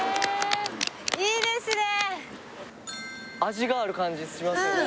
味がある感じしますよね